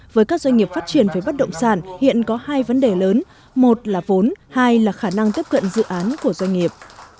với các doanh nghiệp phát triển về bất động sản hiện có hai vấn đề lớn một là vốn hai là khả năng tiếp cận dự án của doanh nghiệp